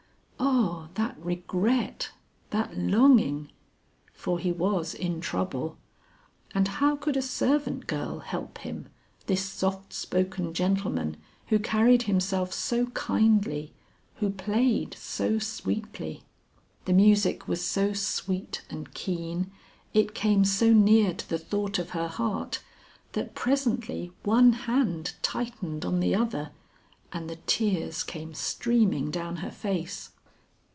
Oh! that regret, that longing! For he was in trouble. And how could a servant girl help him, this soft spoken gentleman who carried himself so kindly, who played so sweetly. The music was so sweet and keen, it came so near to the thought of her heart, that presently one hand tightened on the other, and the tears came streaming down her face.